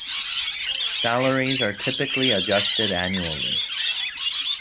Salaries are typically adjusted annually.